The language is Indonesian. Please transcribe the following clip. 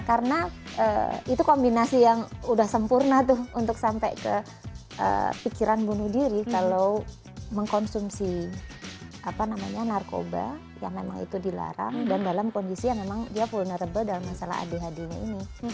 karena itu kombinasi yang udah sempurna tuh untuk sampai ke pikiran bunuh diri kalau mengkonsumsi apa namanya narkoba yang memang itu dilarang dan dalam kondisi yang memang dia vulnerable dalam masalah adhd nya ini